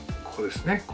ここですね